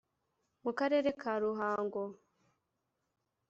mu karere ka Ruhango